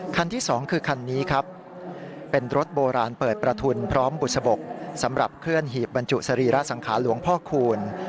ที่สองคือคันนี้ครับเป็นรถโบราณเปิดประทุนพร้อมบุษบกสำหรับเคลื่อนหีบบรรจุสรีระสังขารหลวงพ่อคูณ